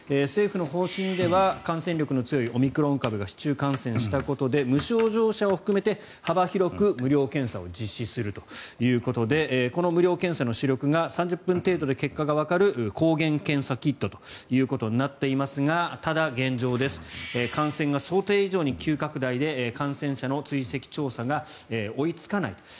政府の方針では感染力の強いオミクロン株が市中感染したことで無症状者を含めて幅広く無料検査を実施するということでこの無料検査の主力が３０分程度で結果がわかる抗原検査キットとなっていますがただ、現状感染が想定以上に急拡大で感染者の追跡調査が追いつかない。